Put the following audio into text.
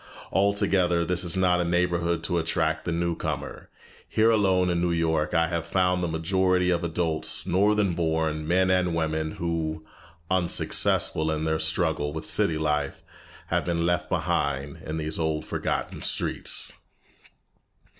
Altogether, this is not a neighborhood to attract the new comer. Here alone in New York I have found the majority of the adults northern born, men and women who, unsuccessful in their struggle with city life, have been left behind in these old forgotten streets.